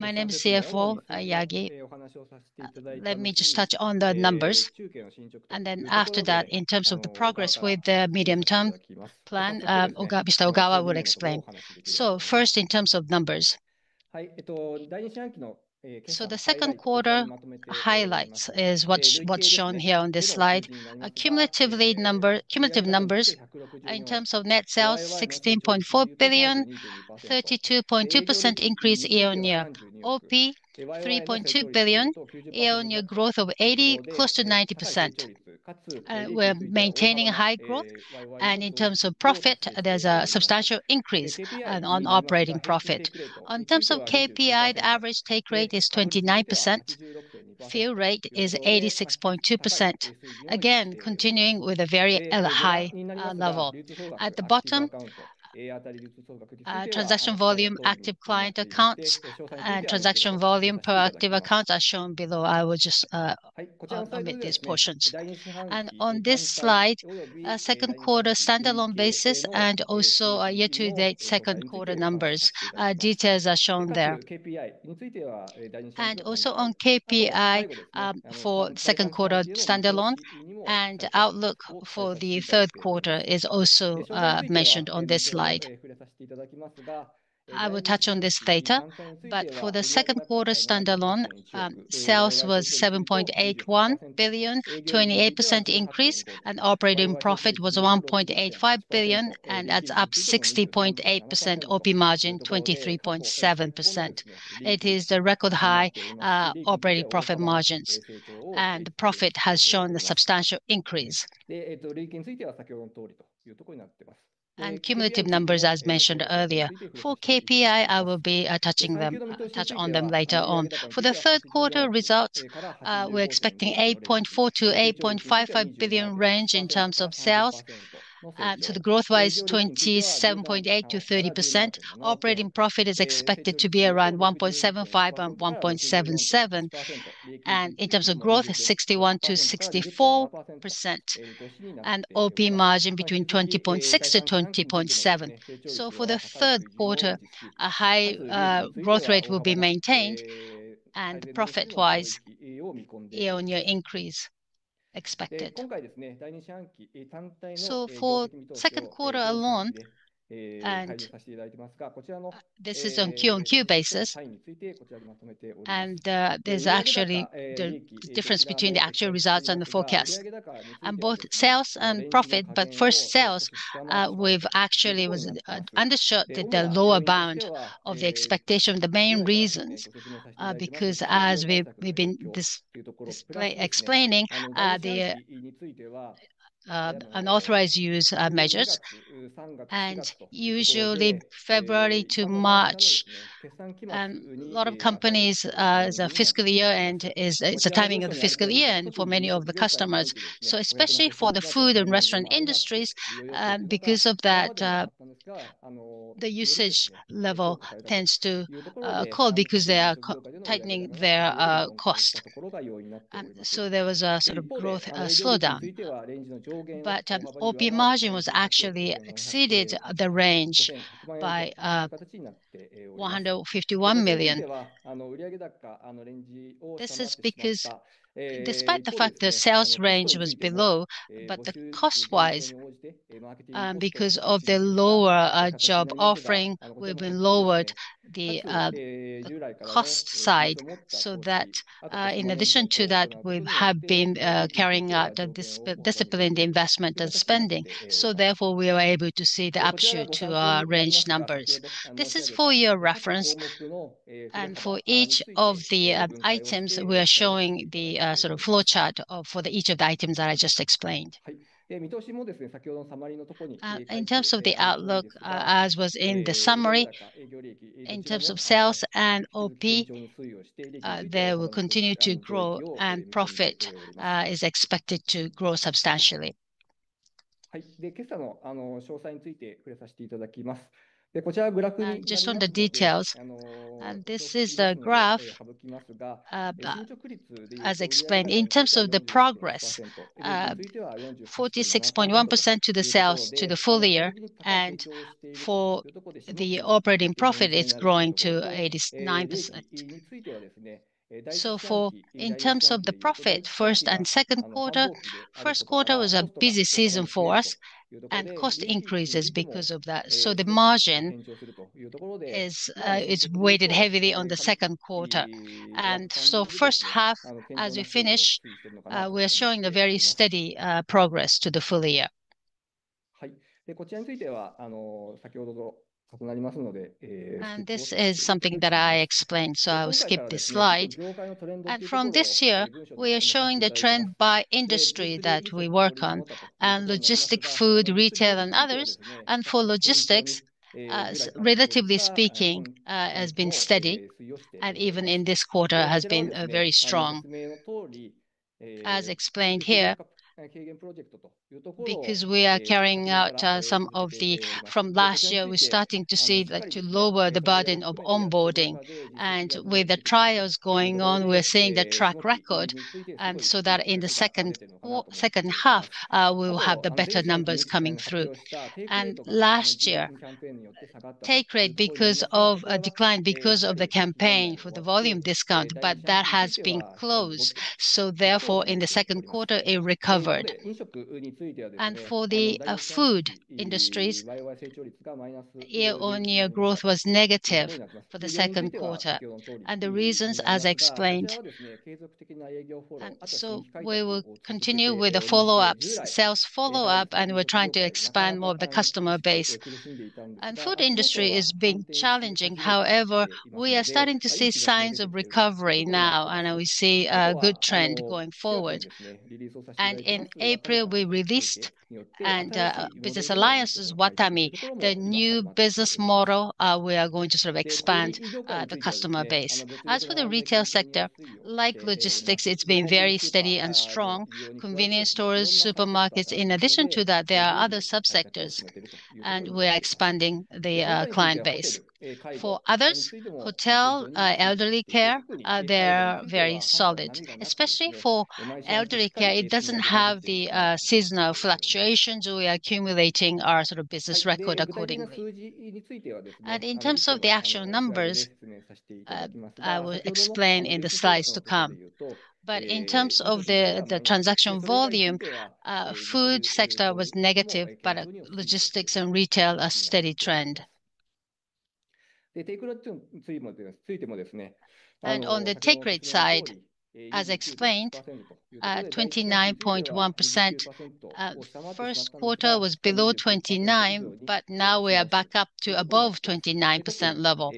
My name is CFO Yagi. Let me just touch on the numbers, and then after that, in terms of the progress with the medium-term plan, Mr. Ogawa will explain. First, in terms of numbers. The second quarter highlights is what's shown here on this slide. Cumulative numbers, in terms of net sales, 16.4 billion, 32.2% increase year on year. OP, 3.2 billion, year-on-year growth of 80, close to 90%. We're maintaining high growth, and in terms of profit, there's a substantial increase on operating profit. In terms of KPI, the average take rate is 29%, fee rate is 86.2%. Again, continuing with a very high level. At the bottom, transaction volume, active client accounts, and transaction volume per active accounts are shown below. I will just comment on these portions. On this slide, second quarter standalone basis and also year-to-date second quarter numbers, details are shown there. Also on KPI for second quarter standalone, and outlook for the third quarter is also mentioned on this slide. I will touch on this data, but for the second quarter standalone, sales was 7.81 billion, 28% increase, and operating profit was 1.85 billion, and that's up 60.8%. OP margin, 23.7%. It is the record high operating profit margins, and the profit has shown a substantial increase. Cumulative numbers, as mentioned earlier. For KPI, I will be touching on them later on. For the third quarter results, we're expecting 8.4-8.55 billion range in terms of sales. The growth was 27.8-30%. Operating profit is expected to be around 1.75 and 1.77. In terms of growth, 61-64%, and OP margin between 20.6-20.7. For the third quarter, a high growth rate will be maintained, and profit-wise, year-on-year increase expected. For second quarter alone, this is on Q on Q basis, and there's actually the difference between the actual results and the forecast. In both sales and profit, but first sales, we've actually undershot the lower bound of the expectation. The main reason is because, as we've been explaining, the unauthorized use measures, and usually February to March, a lot of companies, the fiscal year end is the timing of the fiscal year end for many of the customers. Especially for the food and restaurant industries, because of that, the usage level tends to fall because they are tightening their cost. There was a sort of growth slowdown, but OP margin was actually exceeded the range by 151 million. This is because, despite the fact the sales range was below, but the cost-wise, because of the lower job offering, we've lowered the cost side so that, in addition to that, we have been carrying out disciplined investment and spending. Therefore, we were able to see the upshoot to our range numbers. This is for your reference, and for each of the items, we are showing the sort of flow chart for each of the items that I just explained. In terms of the outlook, as was in the summary, in terms of sales and OP, they will continue to grow, and profit is expected to grow substantially. Just on the details, this is the graph, as explained, in terms of the progress, 46.1% to the sales to the full year, and for the operating profit, it's growing to 89%. In terms of the profit, first and second quarter, first quarter was a busy season for us, and cost increases because of that. The margin is weighted heavily on the second quarter. First half, as we finish, we are showing a very steady progress to the full year. This is something that I explained, so I will skip this slide. From this year, we are showing the trend by industry that we work on, and logistics, food, retail, and others. Logistics, relatively speaking, has been steady, and even in this quarter has been very strong, as explained here, because we are carrying out some of the from last year, we're starting to see that to lower the burden of onboarding. With the trials going on, we're seeing the track record, and so that in the second half, we will have the better numbers coming through. Last year, take rate because of a decline because of the campaign for the volume discount, but that has been closed. Therefore, in the second quarter, it recovered. For the food industries, year-on-year growth was negative for the second quarter, and the reasons, as I explained. We will continue with the follow-ups, sales follow-up, and we're trying to expand more of the customer base. Food industry is being challenging. However, we are starting to see signs of recovery now, and we see a good trend going forward. In April, we released business alliances, WATAMI, the new business model. We are going to sort of expand the customer base. As for the retail sector, like logistics, it's been very steady and strong. Convenience stores, supermarkets, in addition to that, there are other subsectors, and we are expanding the client base. For others, hotel, elderly care, they're very solid. Especially for elderly care, it doesn't have the seasonal fluctuations, so we are accumulating our sort of business record accordingly. In terms of the actual numbers, I will explain in the slides to come. In terms of the transaction volume, food sector was negative, but logistics and retail are a steady trend. On the take rate side, as explained, 29.1%. First quarter was below 29%, but now we are back up to above 29% level.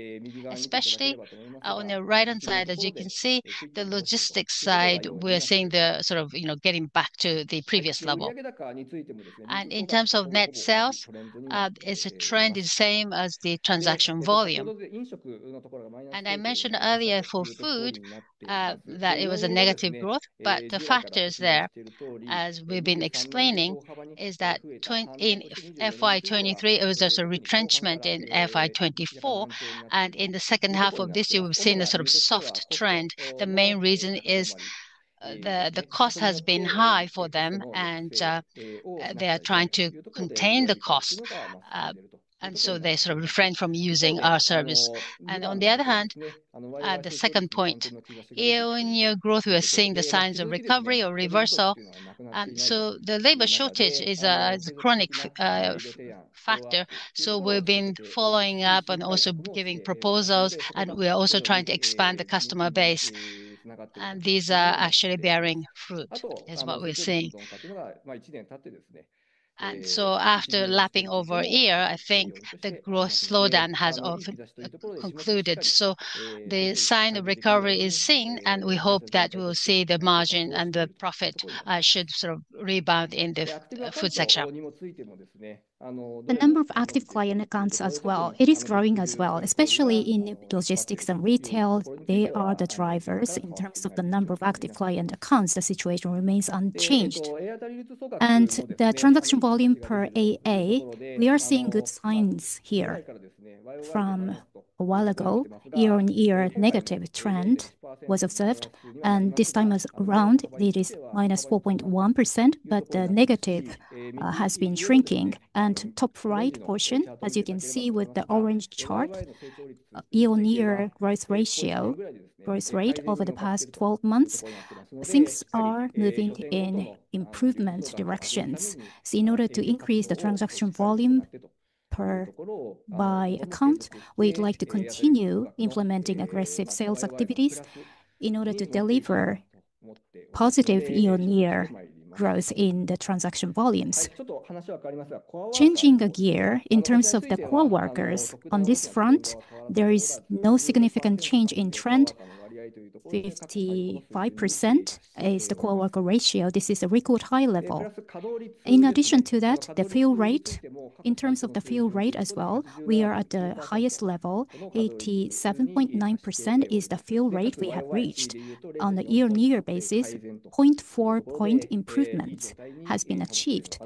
Especially on the right-hand side, as you can see, the logistics side, we are seeing the sort of getting back to the previous level. In terms of net sales, it is a trend the same as the transaction volume. I mentioned earlier for food that it was a negative growth, but the factors there, as we have been explaining, are that in fiscal year 2023, it was just a retrenchment in fiscal year 2024, and in the second half of this year, we have seen a sort of soft trend. The main reason is the cost has been high for them, and they are trying to contain the cost, and they sort of refrain from using our service. On the other hand, the second point, year-on-year growth, we are seeing the signs of recovery or reversal. The labor shortage is a chronic factor, so we have been following up and also giving proposals, and we are also trying to expand the customer base, and these are actually bearing fruit, is what we are seeing. After lapping over a year, I think the growth slowdown has concluded. The sign of recovery is seen, and we hope that we will see the margin and the profit should sort of rebound in the food sector. The number of active client accounts as well, it is growing as well, especially in logistics and retail. They are the drivers in terms of the number of active client accounts. The situation remains unchanged. The transaction volume per AA, we are seeing good signs here. From a while ago, year-on-year negative trend was observed, and this time around, it is minus 4.1%, but the negative has been shrinking. The top right portion, as you can see with the orange chart, year-on-year growth ratio growth rate over the past 12 months, things are moving in improvement directions. In order to increase the transaction volume per account, we'd like to continue implementing aggressive sales activities in order to deliver positive year-on-year growth in the transaction volumes. Changing a gear in terms of the core workers, on this front, there is no significant change in trend. 55% is the core worker ratio. This is a record high level. In addition to that, the fee rate, in terms of the fee rate as well, we are at the highest level, 87.9% is the fee rate we have reached. On a year-on-year basis, 0.4 percentage point improvement has been achieved.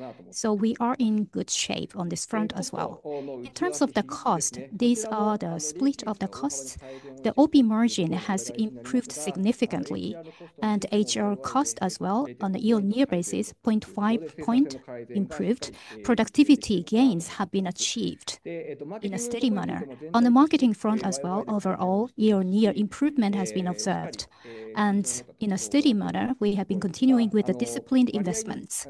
We are in good shape on this front as well. In terms of the cost, these are the split of the costs. The OP margin has improved significantly, and HR cost as well, on a year-on-year basis, 0.5 percentage point improved. Productivity gains have been achieved in a steady manner. On the marketing front as well, overall, year-on-year improvement has been observed. In a steady manner, we have been continuing with the disciplined investments.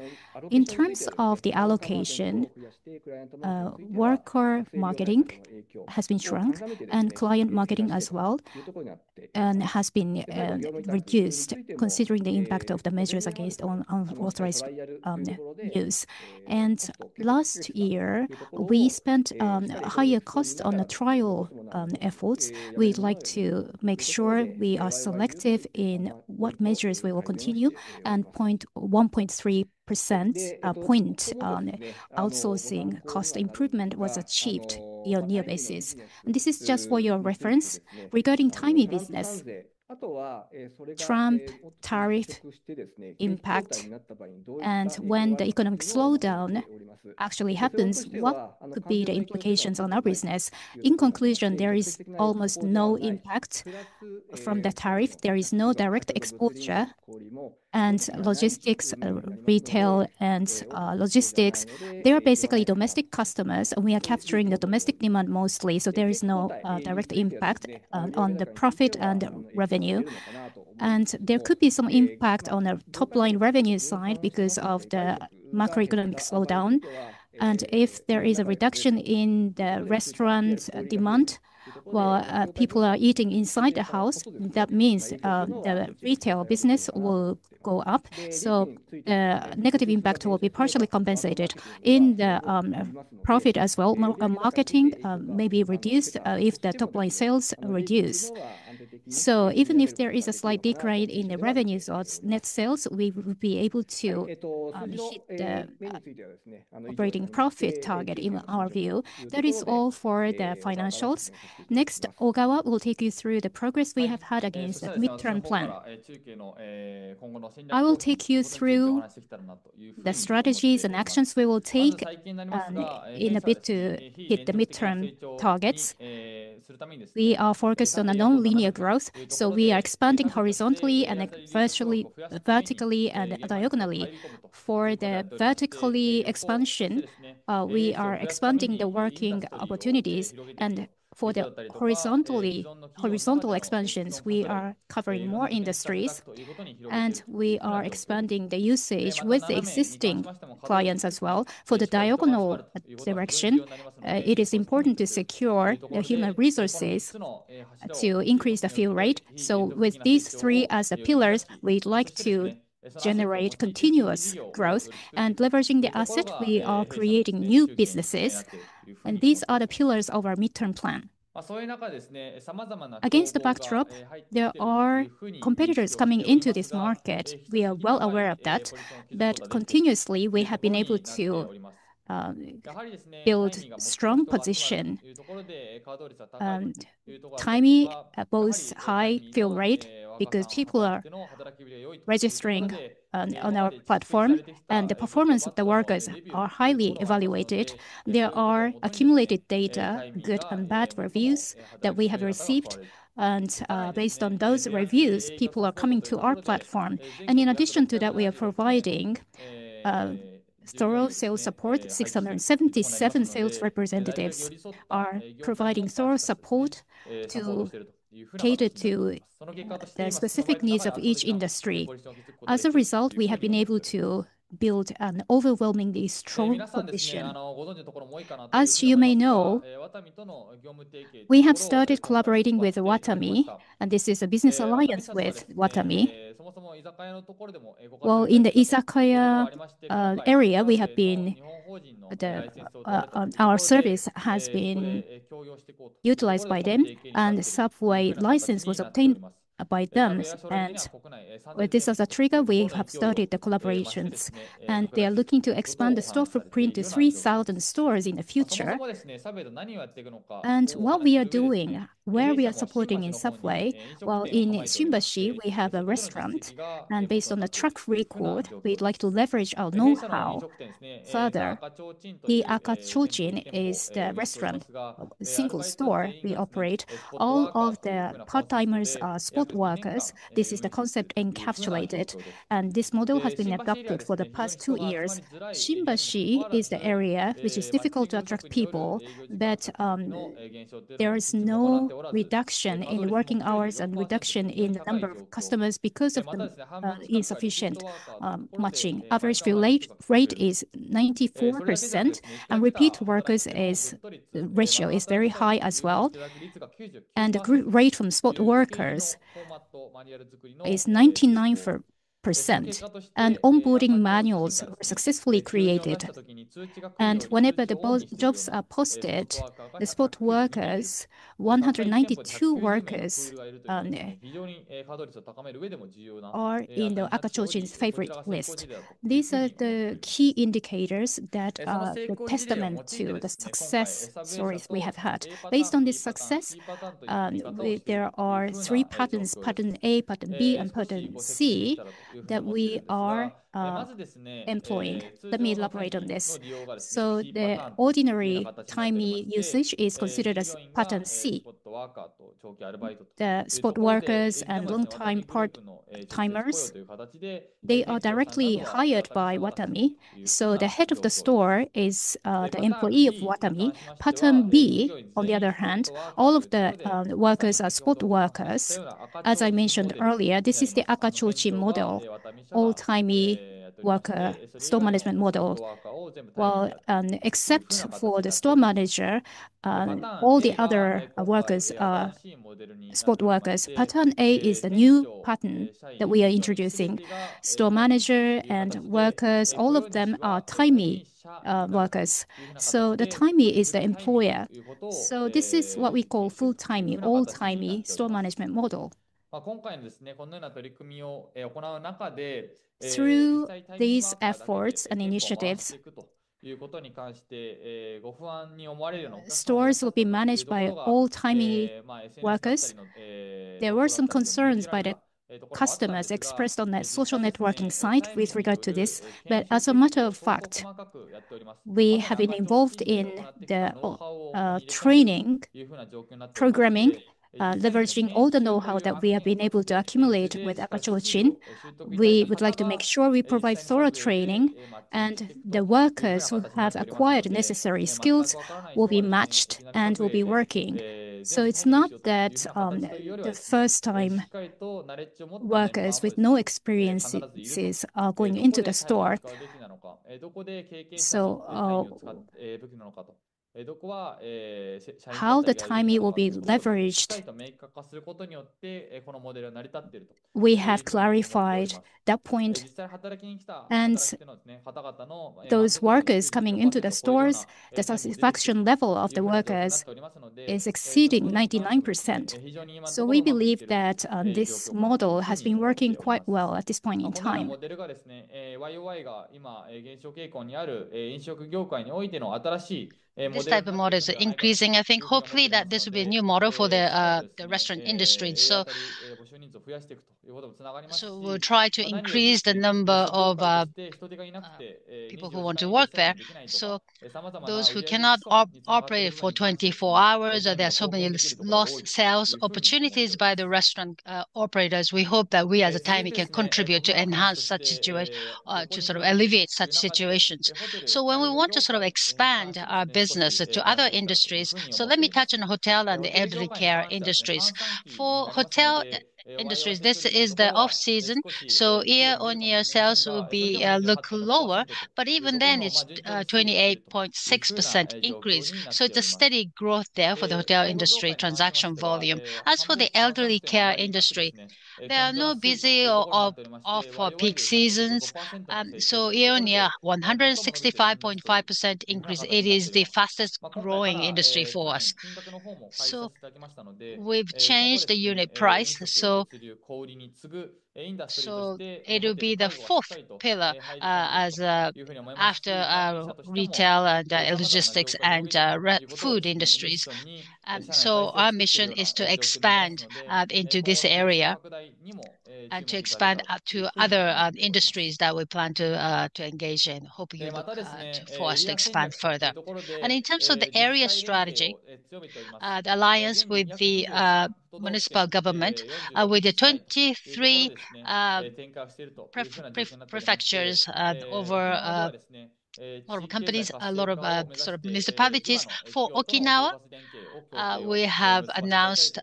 In terms of the allocation, worker marketing has been shrunk, and client marketing as well, and has been reduced, considering the impact of the measures against unauthorized use. Last year, we spent higher cost on the trial efforts. We would like to make sure we are selective in what measures we will continue, and 0.3% point outsourcing cost improvement was achieved year-on-year basis. This is just for your reference regarding Timee business, Trump tariff impact, and when the economic slowdown actually happens, what could be the implications on our business. In conclusion, there is almost no impact from the tariff. There is no direct exposure. Logistics, retail and logistics, they are basically domestic customers, and we are capturing the domestic demand mostly, so there is no direct impact on the profit and revenue. There could be some impact on the top line revenue side because of the macroeconomic slowdown. If there is a reduction in the restaurant demand, while people are eating inside the house, that means the retail business will go up. The negative impact will be partially compensated in the profit as well. Marketing may be reduced if the top line sales reduce. Even if there is a slight decline in the revenues or net sales, we will be able to hit the operating profit target in our view. That is all for the financials. Next, Ogawa will take you through the progress we have had against the mid-term plan. I will take you through the strategies and actions we will take in a bit to hit the mid-term targets. We are focused on a non-linear growth, so we are expanding horizontally and vertically and diagonally. For the vertical expansion, we are expanding the working opportunities, and for the horizontal expansions, we are covering more industries, and we are expanding the usage with the existing clients as well. For the diagonal direction, it is important to secure the human resources to increase the fee rate. With these three as the pillars, we'd like to generate continuous growth, and leveraging the asset, we are creating new businesses. These are the pillars of our mid-term plan. Against the backdrop, there are competitors coming into this market. We are well aware of that, but continuously, we have been able to build a strong position and timing both high fee rate because people are registering on our platform, and the performance of the workers are highly evaluated. There are accumulated data, good and bad reviews that we have received, and based on those reviews, people are coming to our platform. In addition to that, we are providing thorough sales support. 677 sales representatives are providing thorough support to cater to the specific needs of each industry. As a result, we have been able to build an overwhelmingly strong position. As you may know, we have started collaborating with WATAMI, and this is a business alliance with WATAMI. In the Izakaya area, our service has been utilized by them, and Subway license was obtained by them. This is a trigger. We have started the collaborations, and they are looking to expand the store footprint to 3,000 stores in the future. What we are doing, where we are supporting in Shimbashi, we have a restaurant, and based on the track record, we'd like to leverage our know-how further. The Akatsuchin is the restaurant, a single store we operate. All of the part-timers are spot workers. This is the concept encapsulated, and this model has been adopted for the past two years. Shimbashi is the area which is difficult to attract people, but there is no reduction in working hours and reduction in the number of customers because of the insufficient matching. Average fee rate is 94%, and repeat workers ratio is very high as well. The rate from spot workers is 99%, and onboarding manuals were successfully created. Whenever the jobs are posted, the spot workers, 192 workers are in the Akatsuchin's favorite list. These are the key indicators that are the testament to the success stories we have had. Based on this success, there are three patterns: Pattern A, Pattern B, and Pattern C that we are employing. Let me elaborate on this. The ordinary timing usage is considered as Pattern C. The spot workers and long-time part-timers, they are directly hired by WATAMI. The head of the store is the employee of WATAMI. Pattern B, on the other hand, all of the workers are spot workers. As I mentioned earlier, this is the Akatsuchin model, all-time worker store management model. Except for the store manager, all the other workers are spot workers. Pattern A is the new pattern that we are introducing. Store manager and workers, all of them are timing workers. The timing is the employer. This is what we call full timing, all-time store management model. Through these efforts and initiatives, stores will be managed by all-time workers. There were some concerns by the customers expressed on the social networking site with regard to this, but as a matter of fact, we have been involved in the training, programming, leveraging all the know-how that we have been able to accumulate with Akatsuchin. We would like to make sure we provide thorough training, and the workers who have acquired necessary skills will be matched and will be working. It is not that the first-time workers with no experiences are going into the store. How the timing will be leveraged, we have clarified that point, and those workers coming into the stores, the satisfaction level of the workers is exceeding 99%. We believe that this model has been working quite well at this point in time. This type of model is increasing. I think hopefully that this will be a new model for the restaurant industry. We'll try to increase the number of people who want to work there. Those who cannot operate for 24 hours, there are so many lost sales opportunities by the restaurant operators. We hope that we as Timee can contribute to enhance such situations, to sort of alleviate such situations. When we want to sort of expand our business to other industries, let me touch on hotel and the elderly care industries. For hotel industries, this is the off-season. Year-on-year sales will look lower, but even then it's a 28.6% increase. It's a steady growth there for the hotel industry transaction volume. As for the elderly care industry, they are no busy or off for peak seasons. Year-on-year, 165.5% increase. It is the fastest growing industry for us. We have changed the unit price. It will be the fourth pillar after retail and logistics and food industries. Our mission is to expand into this area and to expand to other industries that we plan to engage in, hoping for us to expand further. In terms of the area strategy, the alliance with the municipal government, with the 23 prefectures over a lot of companies, a lot of sort of municipalities for Okinawa, we have announced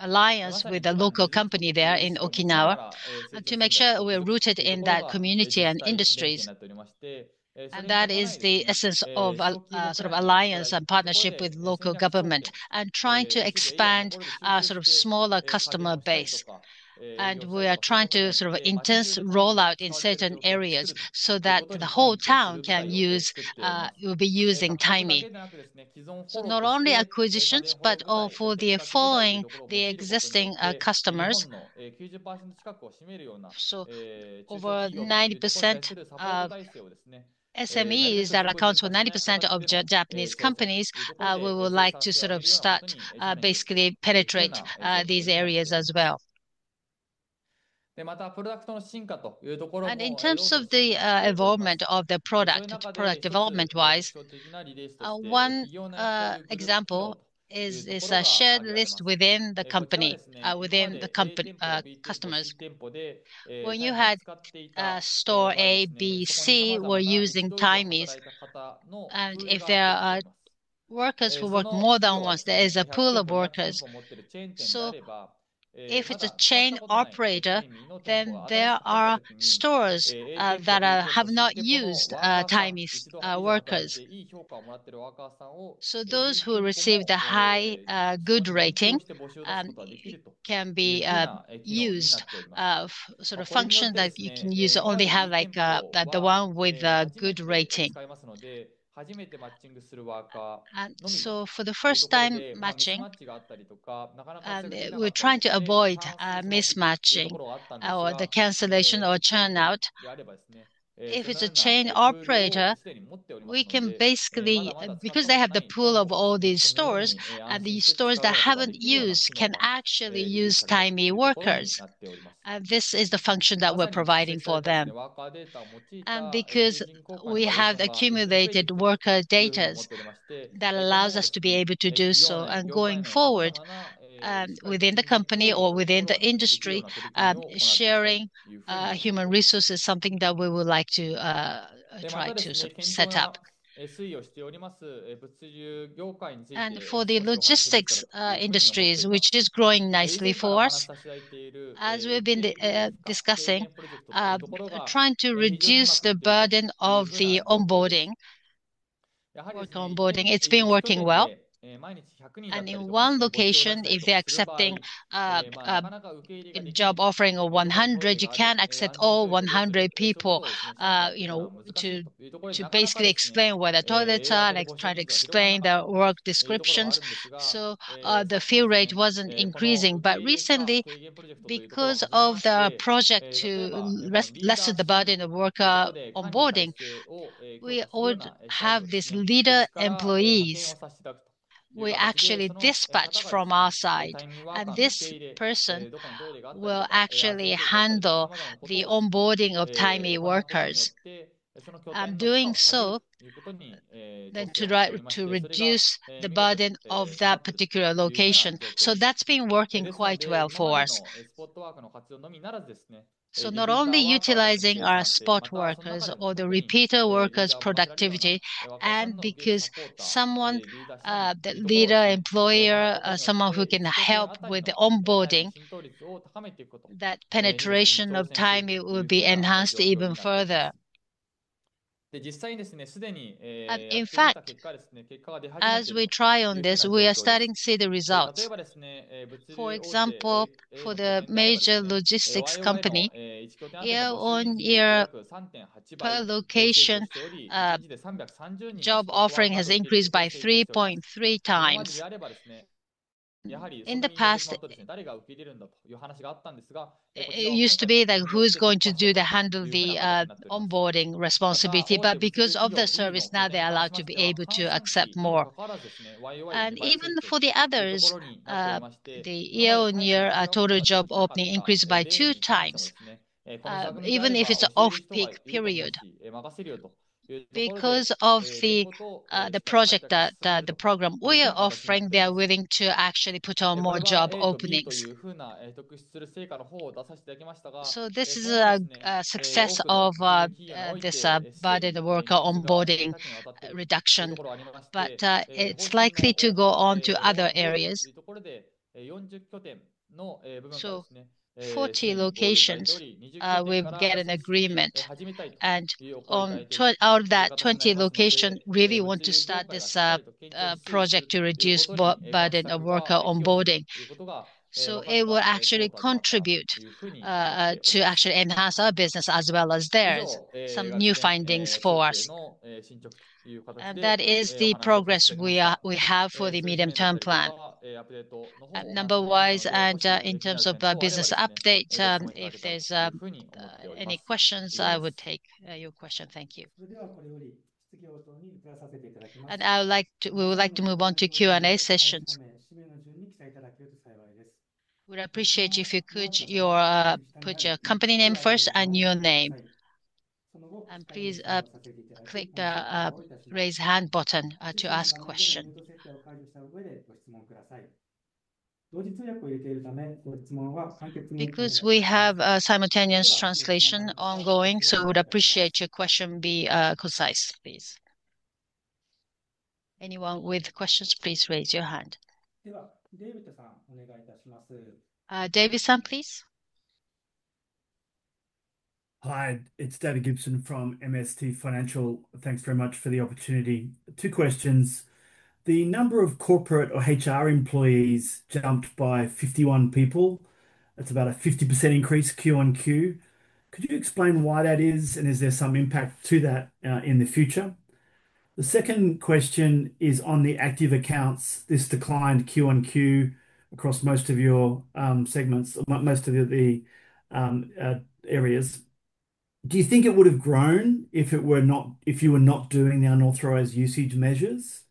alliance with a local company there in Okinawa to make sure we are rooted in that community and industries. That is the essence of sort of alliance and partnership with local government and trying to expand our sort of smaller customer base. We are trying to sort of intense rollout in certain areas so that the whole town can use, will be using Timee. Not only acquisitions, but also for following the existing customers. Over 90% of SMEs, that accounts for 90% of Japanese companies, we would like to sort of start basically penetrate these areas as well. In terms of the involvement of the product, product development-wise, one example is a shared list within the company, within the customers. When you had store A, B, C, were using Timee. If there are workers who work more than once, there is a pool of workers. If it is a chain operator, then there are stores that have not used Timee's workers. Those who receive the high good rating can be used, sort of function that you can use only have like the one with a good rating. For the first time matching, we're trying to avoid mismatching or the cancellation or turnout. If it's a chain operator, we can basically, because they have the pool of all these stores and these stores that haven't used can actually use Timee workers. This is the function that we're providing for them. Because we have accumulated worker data, that allows us to be able to do so going forward within the company or within the industry, sharing human resource is something that we would like to try to set up. For the logistics industries, which is growing nicely for us, as we've been discussing, trying to reduce the burden of the onboarding. It's been working well. In one location, if they're accepting job offering of 100, you can't accept all 100 people to basically explain where the toilets are, try to explain the work descriptions. The fee rate wasn't increasing. Recently, because of the project to lessen the burden of worker onboarding, we would have these leader employees we actually dispatch from our side. This person will actually handle the onboarding of Timee workers. I'm doing so to reduce the burden of that particular location. That's been working quite well for us. Not only utilizing our spot workers or the repeater workers' productivity, and because someone, that leader employee, someone who can help with the onboarding, that penetration of Timee will be enhanced even further. In fact, as we try on this, we are starting to see the results. For example, for the major logistics company, year-on-year, per location, job offering has increased by 3.3 times. In the past, it used to be that who's going to handle the onboarding responsibility, but because of the service, now they're allowed to be able to accept more. Even for the others, the year-on-year total job opening increased by two times, even if it's off-peak period. Because of the project that the program we are offering, they are willing to actually put on more job openings. This is a success of this burden of worker onboarding reduction, but it's likely to go on to other areas. Forty locations, we've got an agreement, and on that 20 locations, really want to start this project to reduce the burden of worker onboarding. It will actually contribute to actually enhance our business as well as theirs. Some new findings for us. That is the progress we have for the medium-term plan. Number-wise and in terms of business update, if there are any questions, I would take your question. Thank you. We would like to move on to Q&A sessions. We'd appreciate it if you could put your company name first and your name. Please click the raise hand button to ask a question. Because we have simultaneous translation ongoing, we'd appreciate your question be concise, please. Anyone with questions, please raise your hand. David, please. Hi, it's David Gibson from MST Financial. Thanks very much for the opportunity. Two questions. The number of corporate or HR employees jumped by 51 people. It's about a 50% increase Q1Q. Could you explain why that is, and is there some impact to that in the future? The second question is on the active accounts, this declined Q1Q across most of your segments, most of the areas. Do you think it would have grown if you were not doing the unauthorized usage measures?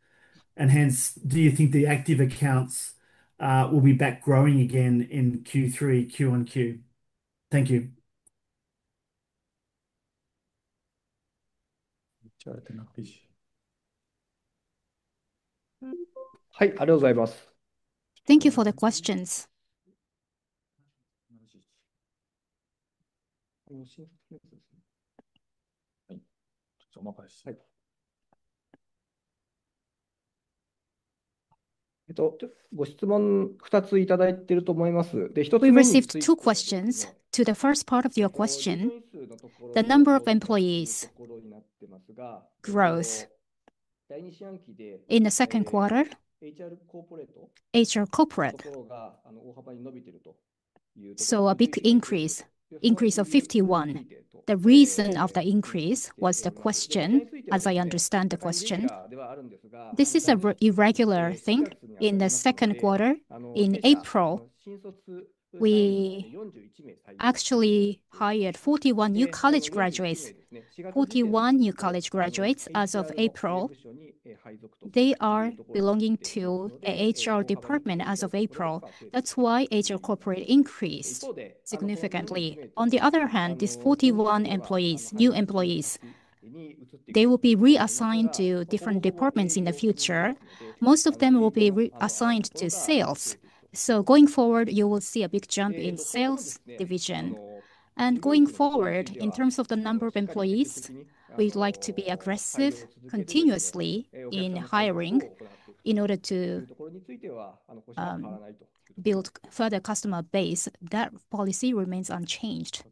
Do you think the active accounts will be back growing again in Q3, Q1Q? Thank you. In the second quarter, HR corporate growth. A big increase, increase of 51. The reason of the increase was the question, as I understand the question. This is an irregular thing. In the second quarter, in April, we actually hired 41 new college graduates. 41 new college graduates as of April. They are belonging to the HR department as of April. That is why HR corporate increased significantly. On the other hand, these 41 employees, new employees, they will be reassigned to different departments in the future. Most of them will be assigned to sales. Going forward, you will see a big jump in sales division. In terms of the number of employees, we'd like to be aggressive continuously in hiring in order to build further customer base. That policy remains unchanged.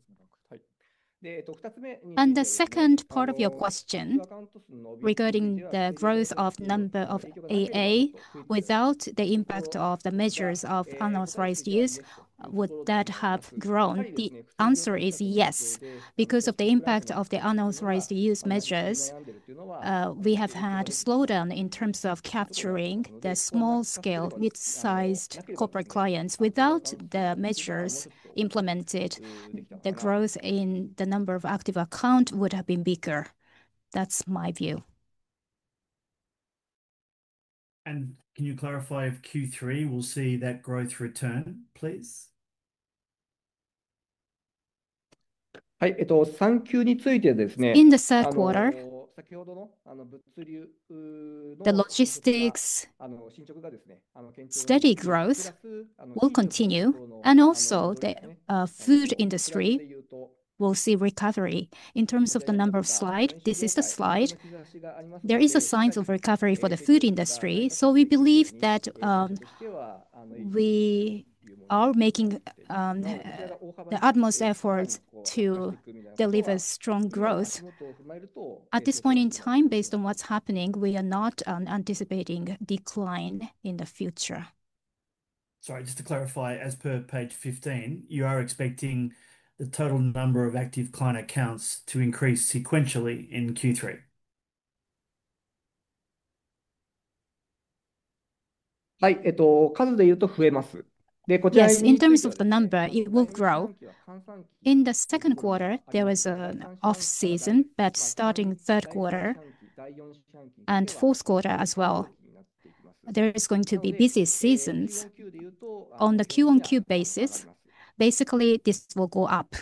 The second part of your question regarding the growth of number of AA, without the impact of the measures of unauthorized use, would that have grown? The answer is yes. Because of the impact of the unauthorized use measures, we have had a slowdown in terms of capturing the small-scale, mid-sized corporate clients. Without the measures implemented, the growth in the number of active accounts would have been bigger. That's my view. Can you clarify if Q3 will see that growth return, please? In the third quarter, the logistics steady growth will continue. Also, the food industry will see recovery. In terms of the number of slides, this is the slide. There are signs of recovery for the food industry. We believe that we are making the utmost efforts to deliver strong growth. At this point in time, based on what's happening, we are not anticipating a decline in the future. Sorry, just to clarify, as per page 15, you are expecting the total number of active client accounts to increase sequentially in Q3. Yes, in terms of the number, it will grow. In the second quarter, there was an off-season, but starting third quarter and fourth quarter as well, there is going to be busy seasons. On the Q1Q basis, basically, this will go up.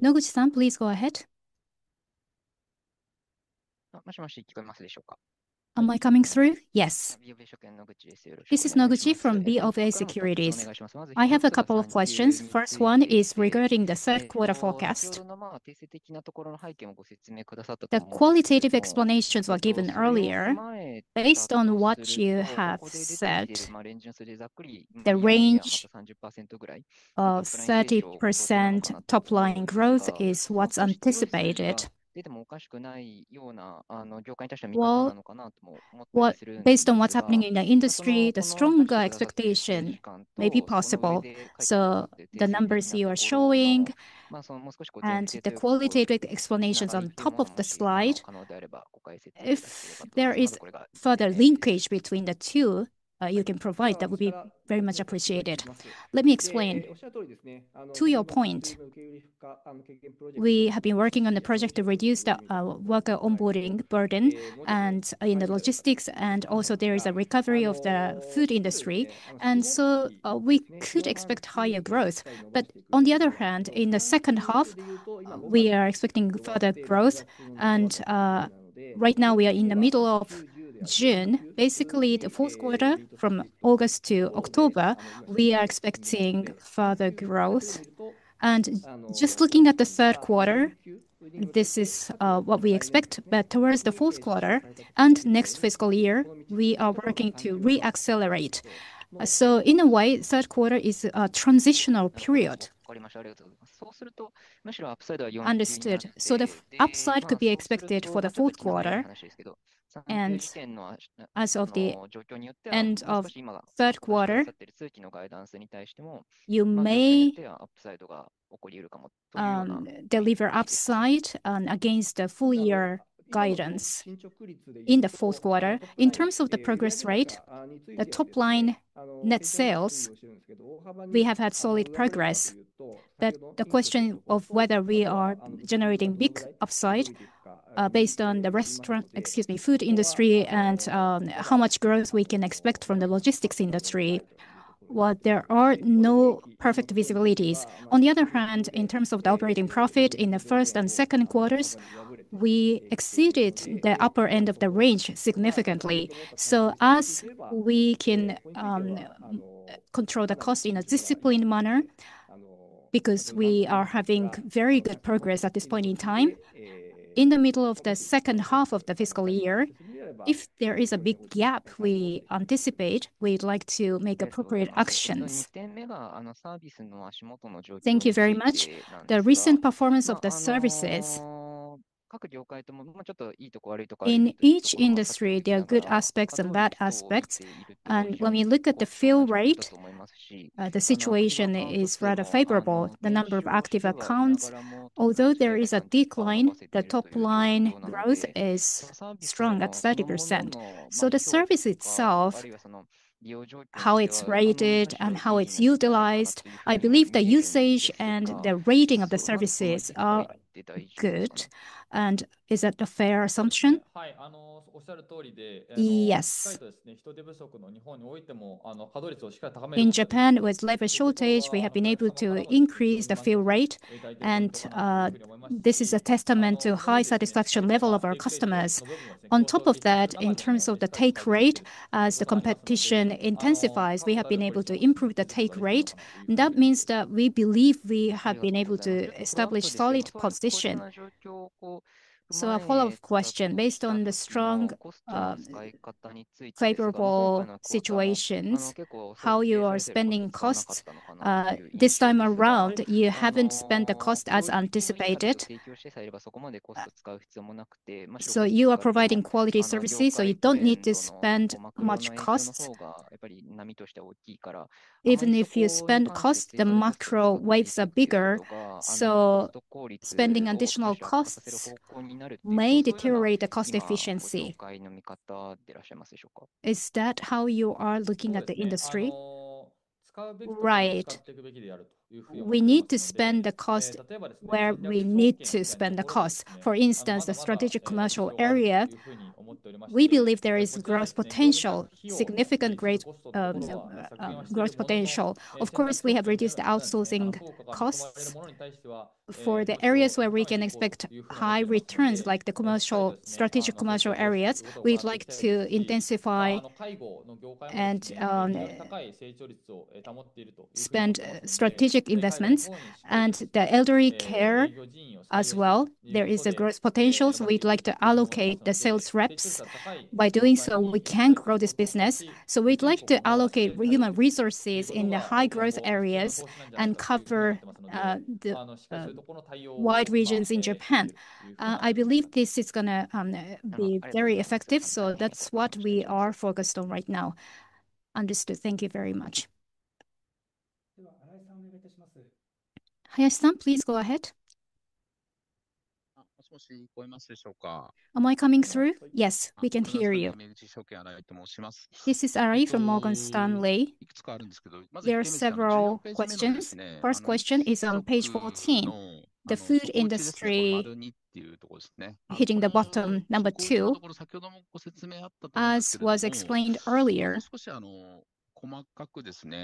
Noguchi-san, please go ahead. Am I coming through? Yes. This is Noguchi from BofA Securities. I have a couple of questions. First one is regarding the third quarter forecast. The qualitative explanations were given earlier. Based on what you have said, the range of 30% top-line growth is what's anticipated. Based on what's happening in the industry, the stronger expectation may be possible. The numbers you are showing and the qualitative explanations on top of the slide, if there is further linkage between the two you can provide, that would be very much appreciated. Let me explain. To your point, we have been working on the project to reduce the worker onboarding burden in the logistics, and also there is a recovery of the food industry. We could expect higher growth. On the other hand, in the second half, we are expecting further growth. Right now, we are in the middle of June. Basically, the fourth quarter, from August to October, we are expecting further growth. Just looking at the third quarter, this is what we expect. Towards the fourth quarter and next fiscal year, we are working to re-accelerate. In a way, third quarter is a transitional period. Understood. The upside could be expected for the fourth quarter. As of the end of third quarter, you may deliver upside against the full-year guidance in the fourth quarter. In terms of the progress rate, the top-line net sales, we have had solid progress. The question of whether we are generating big upside based on the restaurant, excuse me, food industry and how much growth we can expect from the logistics industry, there are no perfect visibilities. On the other hand, in terms of the operating profit in the first and second quarters, we exceeded the upper end of the range significantly. As we can control the cost in a disciplined manner, because we are having very good progress at this point in time, in the middle of the second half of the fiscal year, if there is a big gap we anticipate, we'd like to make appropriate actions. Thank you very much. The recent performance of the services in each industry, there are good aspects and bad aspects. When we look at the fee rate, the situation is rather favorable. The number of active accounts, although there is a decline, the top-line growth is strong at 30%. The service itself, how it's rated and how it's utilized, I believe the usage and the rating of the services are good. Is that a fair assumption? Yes. In Japan, with labor shortage, we have been able to increase the fee rate. This is a testament to a high satisfaction level of our customers. On top of that, in terms of the take rate, as the competition intensifies, we have been able to improve the take rate. That means that we believe we have been able to establish a solid position. A follow-up question. Based on the strong, favorable situations, how you are spending costs, this time around, you haven't spent the cost as anticipated. You are providing quality services, so you don't need to spend much costs. Even if you spend costs, the macro waves are bigger. Spending additional costs may deteriorate the cost efficiency. Is that how you are looking at the industry? Right. We need to spend the cost where we need to spend the cost. For instance, the strategic commercial area, we believe there is growth potential, significant growth potential. Of course, we have reduced the outsourcing costs. For the areas where we can expect high returns, like the strategic commercial areas, we'd like to intensify and spend strategic investments. The elderly care as well, there is a growth potential, so we'd like to allocate the sales reps. By doing so, we can grow this business. We'd like to allocate human resources in the high-growth areas and cover the wide regions in Japan. I believe this is going to be very effective, so that's what we are focused on right now. Understood. Thank you very much. Hayashisan, please go ahead. Am I coming through? Yes, we can hear you. This is Ari from Morgan Stanley. There are several questions. First question is on page 14, the food industry. Hitting the bottom, number two. As was explained earlier,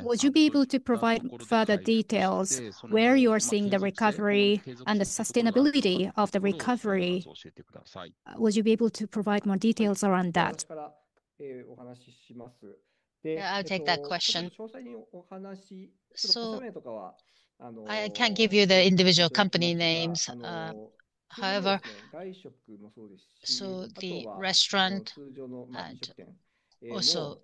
would you be able to provide further details where you are seeing the recovery and the sustainability of the recovery? Would you be able to provide more details around that? I'll take that question. I can't give you the individual company names. However, the restaurants also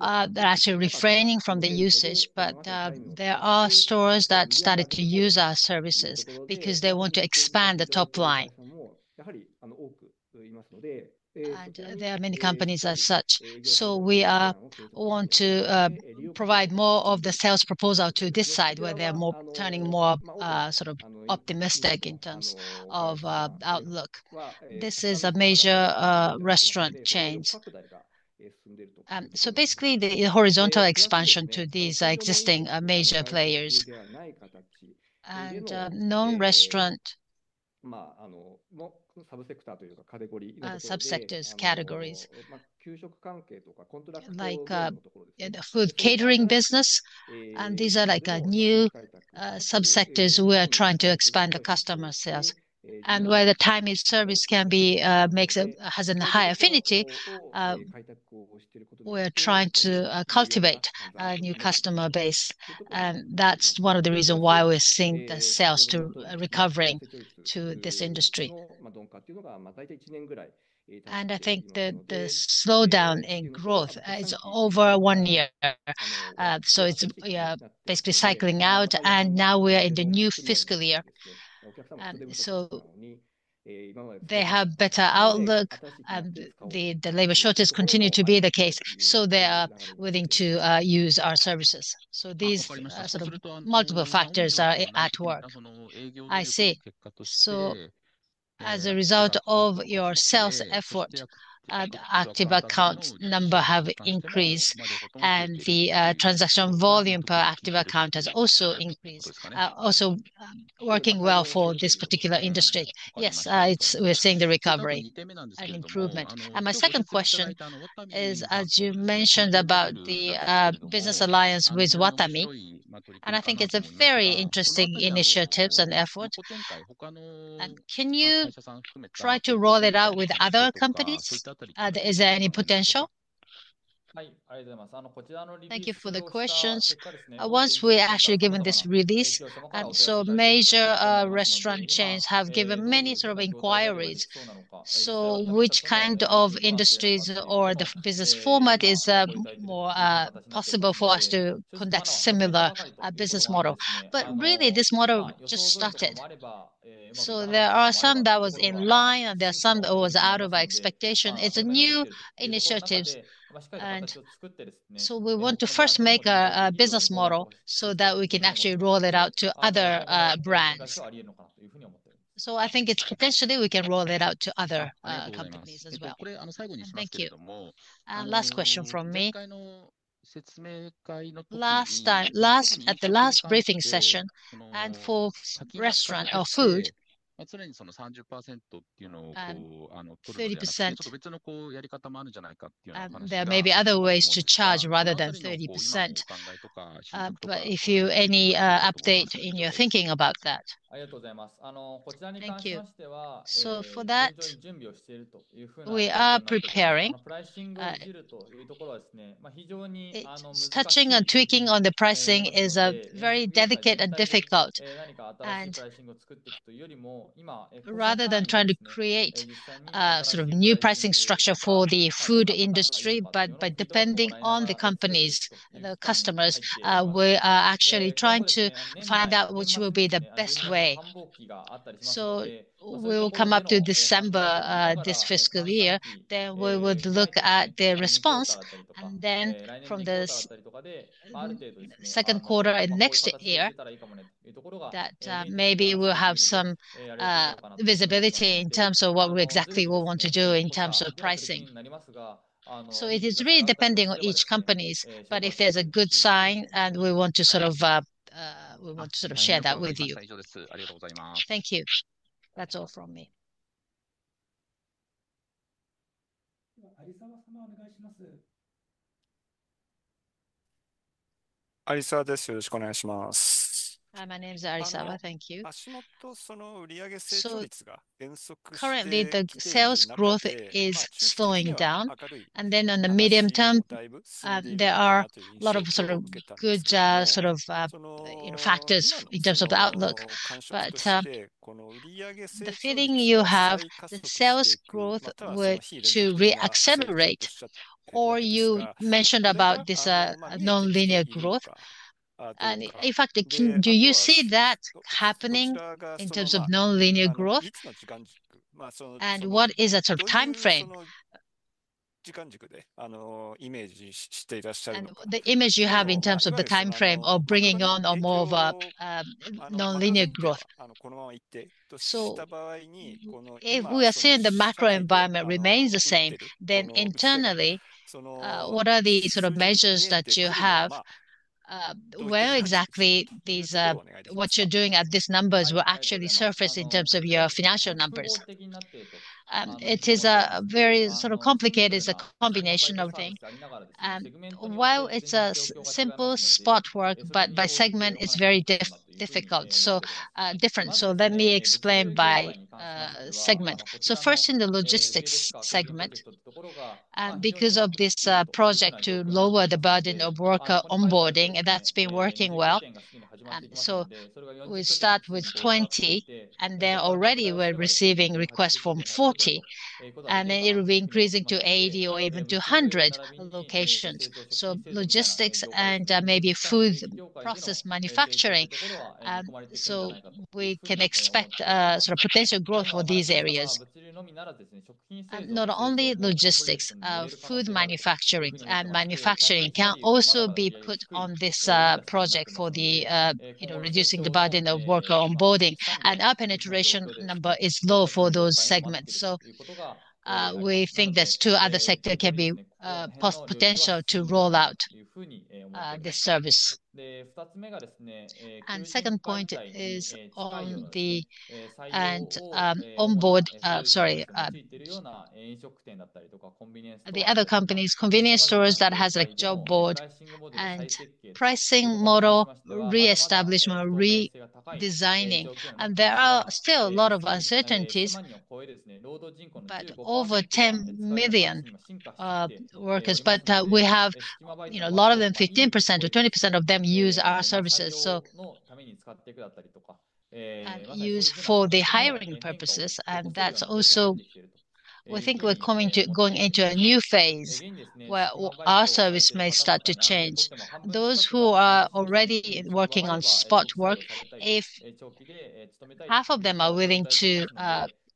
are actually refraining from the usage, but there are stores that started to use our services because they want to expand the top line. There are many companies as such. We want to provide more of the sales proposal to this side where they are turning more sort of optimistic in terms of outlook. This is a major restaurant chain. Basically, the horizontal expansion to these existing major players and non-restaurant subsectors categories, like the food catering business, and these are like new subsectors we are trying to expand the customer sales. Where the Timee service has a high affinity, we are trying to cultivate a new customer base. That is one of the reasons why we are seeing the sales recovering to this industry. I think the slowdown in growth is over one year. It is basically cycling out. Now we are in the new fiscal year, and they have a better outlook, and the labor shortage continues to be the case. They are willing to use our services. These sort of multiple factors are at work. I see. As a result of your sales effort, the active account number has increased, and the transaction volume per active account has also increased, also working well for this particular industry. Yes, we are seeing the recovery and improvement. My second question is, as you mentioned about the business alliance with WATAMI, and I think it's a very interesting initiative and effort. Can you try to roll it out with other companies? Is there any potential? Thank you for the questions. Once we are actually given this release, major restaurant chains have given many sort of inquiries. Which kind of industries or the business format is more possible for us to conduct a similar business model? This model just started. There are some that were in line, and there are some that were out of our expectation. It's a new initiative. We want to first make a business model so that we can actually roll it out to other brands. I think potentially we can roll it out to other companies as well. Thank you. Last question from me. Last time, at the last briefing session, and for restaurant or food, if you have any update in your thinking about that. For that, we are preparing. Rather than trying to create sort of new pricing structure for the food industry, but by depending on the companies, the customers, we are actually trying to find out which will be the best way. We will come up to December this fiscal year. We would look at their response. From the second quarter and next year, that maybe we'll have some visibility in terms of what we exactly want to do in terms of pricing. It is really depending on each company's. If there's a good sign, we want to sort of share that with you. Thank you. That's all from me. Currently, the sales growth is slowing down. On the medium term, there are a lot of sort of good sort of factors in terms of the outlook. The feeling you have, if the sales growth were to re-accelerate, or you mentioned about this non-linear growth. In fact, do you see that happening in terms of non-linear growth? What is that sort of timeframe? The image you have in terms of the timeframe of bringing on more of a non-linear growth. If we assume the macro environment remains the same, then internally, what are the sort of measures that you have? Where exactly what you're doing at these numbers will actually surface in terms of your financial numbers? It is a very sort of complicated, it's a combination of things. While it's a simple spot work, but by segment, it's very difficult. Let me explain by segment. First, in the logistics segment, because of this project to lower the burden of worker onboarding, that's been working well. We start with 20, and then already we're receiving requests from 40. It will be increasing to 80 or even to 100 locations. Logistics and maybe food process manufacturing. We can expect sort of potential growth for these areas. Not only logistics, food manufacturing can also be put on this project for reducing the burden of worker onboarding. Our penetration number is low for those segments. We think there are two other sectors that can be potential to roll out this service. The second point is on the onboard. The other companies, convenience stores that has a job board and pricing model, reestablishment, redesigning. There are still a lot of uncertainties, but over 10 million workers. We have a lot of them, 15%-20% of them use our services and use for the hiring purposes. That is also, we think we are going into a new phase where our service may start to change. Those who are already working on spot work, if half of them are willing to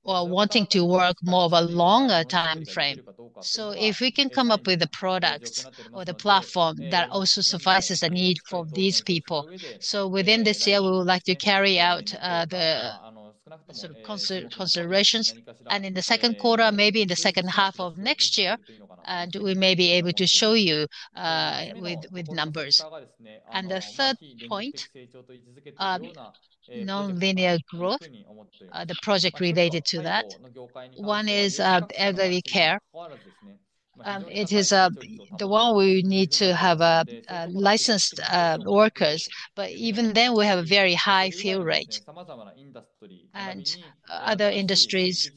or wanting to work more of a longer timeframe. If we can come up with a product or the platform that also suffices the need for these people. Within this year, we would like to carry out the sort of considerations. In the second quarter, maybe in the second half of next year, we may be able to show you with numbers. The third point, non-linear growth, the project related to that. One is elderly care. It is the one we need to have licensed workers. Even then, we have a very high fee rate. And other industries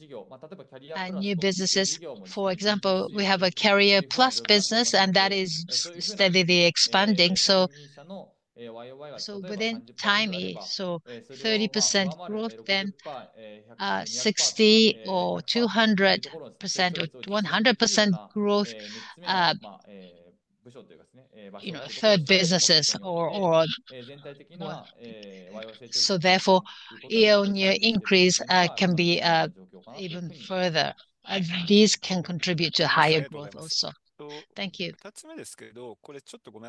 and new businesses. For example, we have a Career Plus business, and that is steadily expanding. So within Timee, so 30% growth, then 60 or 200% or 100% growth, third businesses. Therefore, increase can be even further. These can contribute to higher growth also. Thank you.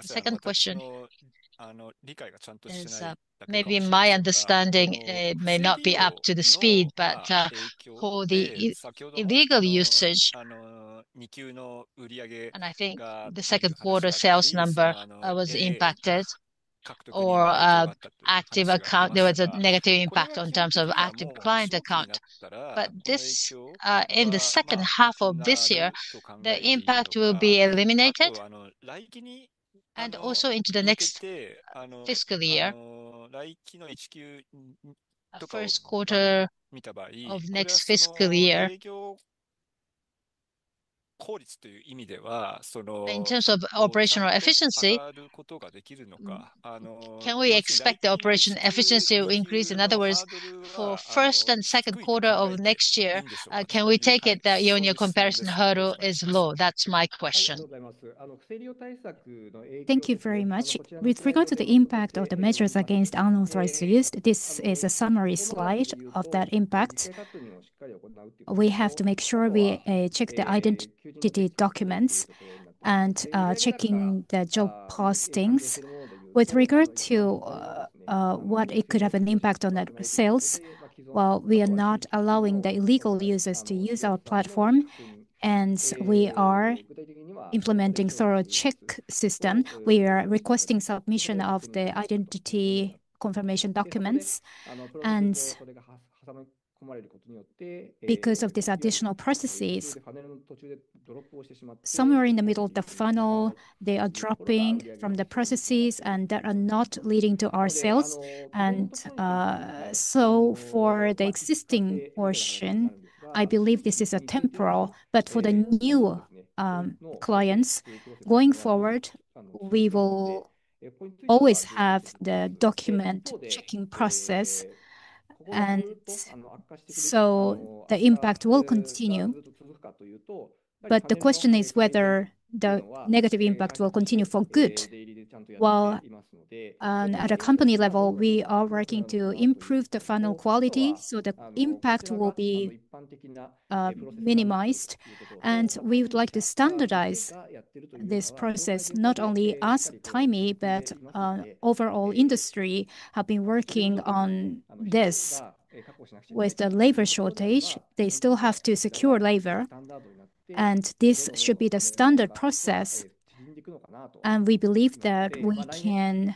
Second question. Maybe my understanding may not be up to speed, but for the illegal usage, and I think the second quarter sales number was impacted, or active account, there was a negative impact in terms of active client account. In the second half of this year, the impact will be eliminated. Also, into the next fiscal year, the first quarter of next fiscal year. In terms of operational efficiency, can we expect the operational efficiency to increase? In other words, for the first and second quarter of next year, can we take it that your comparison hurdle is low? That's my question. Thank you very much. With regard to the impact of the measures against unauthorized use, this is a summary slide of that impact. We have to make sure we check the identity documents and checking the job postings. With regard to what it could have an impact on the sales, while we are not allowing the illegal users to use our platform, and we are implementing a thorough check system, we are requesting submission of the identity confirmation documents. Because of these additional processes, somewhere in the middle of the funnel, they are dropping from the processes, and they are not leading to our sales. For the existing portion, I believe this is temporal. For the new clients, going forward, we will always have the document checking process. The impact will continue. The question is whether the negative impact will continue for good. While at a company level, we are working to improve the final quality, so the impact will be minimized. We would like to standardize this process. Not only us, Timee, but the overall industry has been working on this with the labor shortage. They still have to secure labor. This should be the standard process. We believe that we can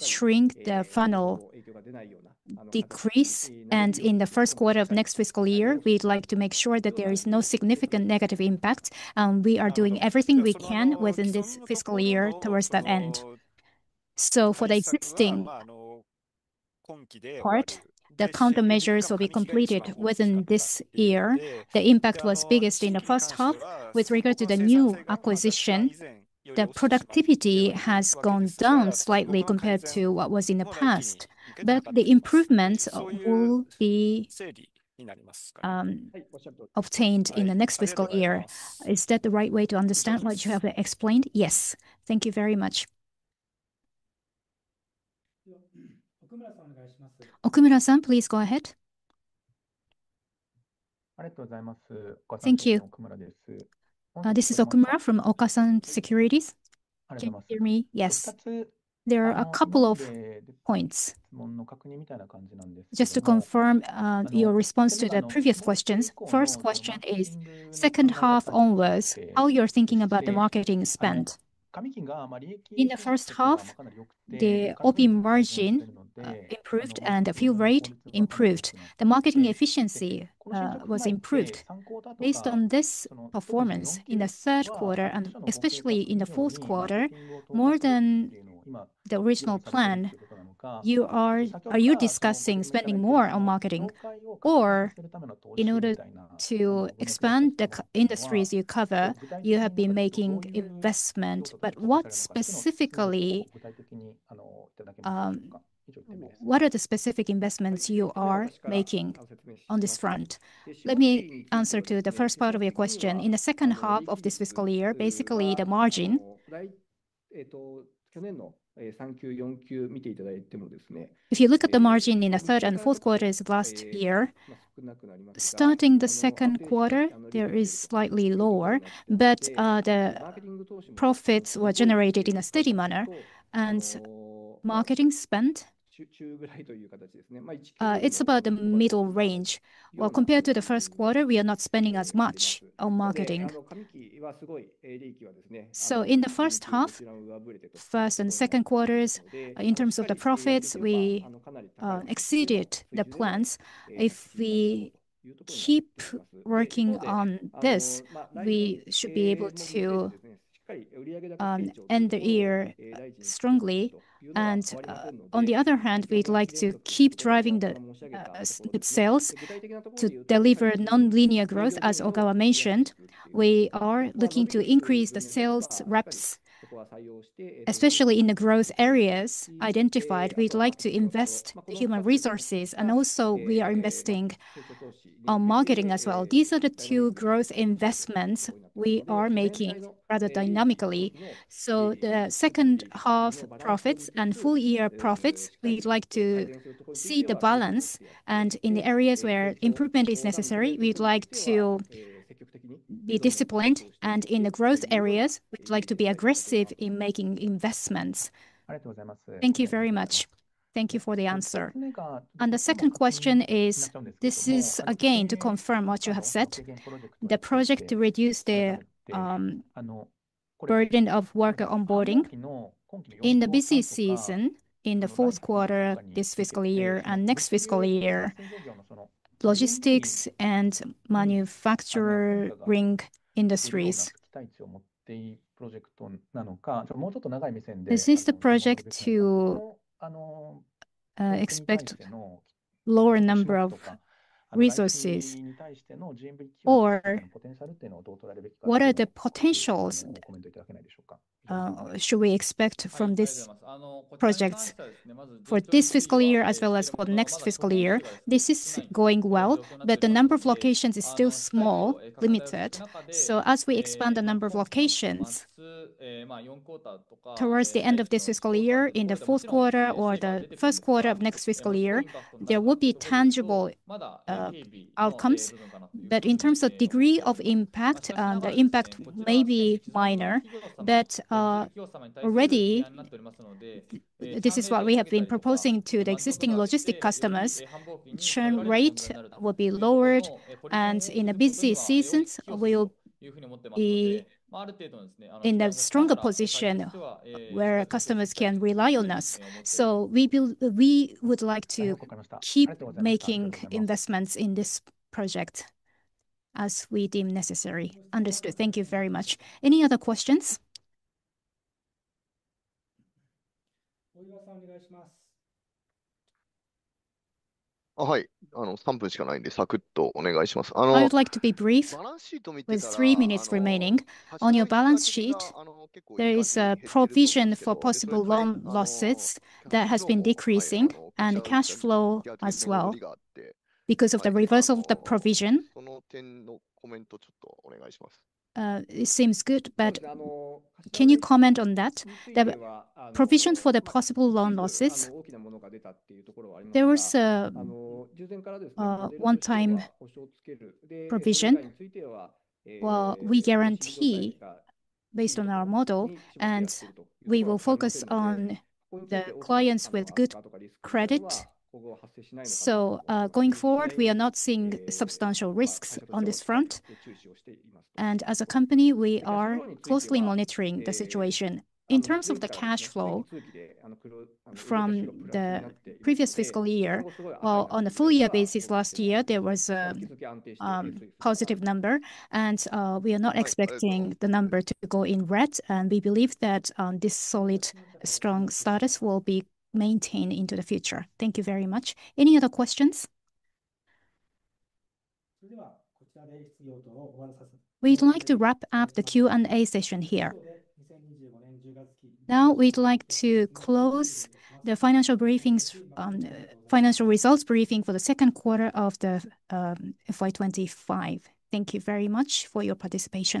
shrink the funnel, decrease. In the first quarter of next fiscal year, we'd like to make sure that there is no significant negative impact. We are doing everything we can within this fiscal year towards the end. For the existing part, the countermeasures will be completed within this year. The impact was biggest in the first half. With regard to the new acquisition, the productivity has gone down slightly compared to what was in the past. But the improvements will be obtained in the next fiscal year. Is that the right way to understand what you have explained? Yes. Thank you very much. Okumura-san, please go ahead. Thank you. This is Okumura from Okasan Securities. Can you hear me? Yes. There are a couple of points. Just to confirm your response to the previous questions. First question is, second half onwards, how you're thinking about the marketing spend? In the first half, the OP margin improved and the fee rate improved. The marketing efficiency was improved. Based on this performance, in the third quarter, and especially in the fourth quarter, more than the original plan, are you discussing spending more on marketing? In order to expand the industries you cover, you have been making investment. What specifically? What are the specific investments you are making on this front? Let me answer to the first part of your question. In the second half of this fiscal year, basically the margin. If you look at the margin in the third and fourth quarters of last year, starting the second quarter, it is slightly lower. The profits were generated in a steady manner. Marketing spend? It is about the middle range. Compared to the first quarter, we are not spending as much on marketing. In the first half, first and second quarters, in terms of the profits, we exceeded the plans. If we keep working on this, we should be able to end the year strongly. On the other hand, we'd like to keep driving the sales to deliver non-linear growth, as Ogawa mentioned. We are looking to increase the sales reps, especially in the growth areas identified. We'd like to invest human resources. Also, we are investing on marketing as well. These are the two growth investments we are making rather dynamically. The second half profits and full year profits, we'd like to see the balance. In the areas where improvement is necessary, we'd like to be disciplined. In the growth areas, we'd like to be aggressive in making investments. Thank you very much. Thank you for the answer. The second question is, this is again to confirm what you have said. The project to reduce the burden of worker onboarding in the busy season, in the fourth quarter this fiscal year and next fiscal year, logistics and manufacturing industries. This is the project to expect lower number of resources or what are the potentials? Should we expect from this project for this fiscal year as well as for next fiscal year? This is going well, but the number of locations is still small, limited. As we expand the number of locations towards the end of this fiscal year, in the fourth quarter or the first quarter of next fiscal year, there will be tangible outcomes. In terms of degree of impact, the impact may be minor. Already, this is what we have been proposing to the existing logistics customers. Churn rate will be lowered. In the busy seasons, we'll be in a stronger position where customers can rely on us. We would like to keep making investments in this project as we deem necessary. Understood. Thank you very much. Any other questions? I would like to be brief. With three minutes remaining on your balance sheet, there is a provision for possible loan losses that has been decreasing and cash flow as well because of the reversal of the provision. It seems good, but can you comment on that? The provision for the possible loan losses, there was a one-time provision. We guarantee based on our model, and we will focus on the clients with good credit. Going forward, we are not seeing substantial risks on this front. As a company, we are closely monitoring the situation. In terms of the cash flow from the previous fiscal year, while on a full year basis, last year, there was a positive number. We are not expecting the number to go in red. We believe that this solid, strong status will be maintained into the future. Thank you very much. Any other questions? We'd like to wrap up the Q&A session here. Now, we'd like to close the financial results briefing for the second quarter of the FY2025. Thank you very much for your participation.